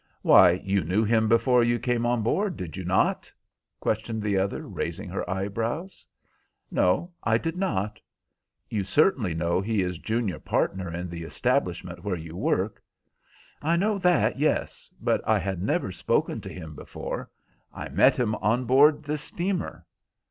"Why, you knew him before you came on board, did you not?" questioned the other, raising her eyebrows. "No, I did not." "You certainly know he is junior partner in the establishment where you work?" "I know that, yes, but I had never spoken to him before I met him on board this steamer."